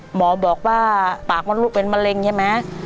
หมอบอกว่าปากมดลูกเป็นมะเร็งใช่ไหม